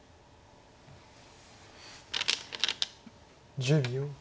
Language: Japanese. １０秒。